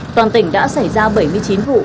toàn tỉnh đã xảy ra bảy mươi chín vụ